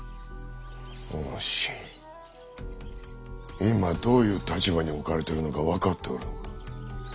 お主今どういう立場に置かれてるのか分かっておるのか？